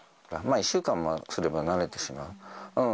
１週間もすれば慣れてしまう。